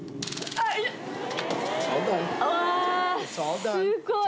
あすごい。